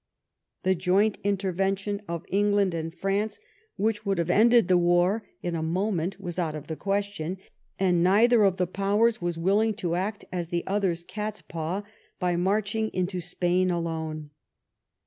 The joint interventioD of England and France, which would have ended the war in a moment, was out of the question ; and neither of the Powers was willing to act as the other's catspaw by marching into Spain alone.